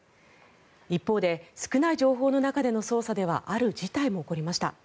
一方で少ない情報の中での捜査ではある事態も起こりました。